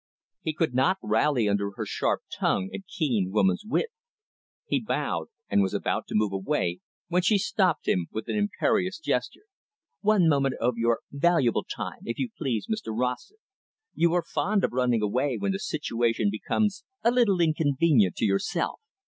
He could not rally under her sharp tongue and keen woman's wit. He bowed, and was about to move away when she stopped him with an imperious gesture. "One moment of your valuable time, if you please, Mr Rossett. You are fond of running away when the situation becomes a little inconvenient to yourself.